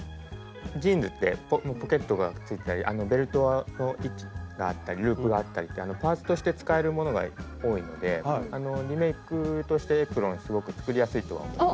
ジーンズってポケットがついてたりベルトの位置があったりループがあったりってパーツとして使えるものが多いのでリメイクとしてエプロンすごく作りやすいとは思いますね。